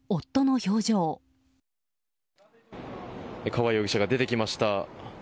河容疑者が出てきました。